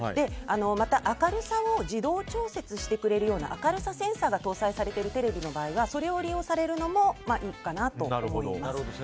また明るさを自動調節してくれるような明るさセンサーが搭載されているテレビではそれを利用するのもいいと思います。